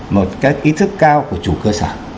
một cái ý thức cao của chủ cơ sở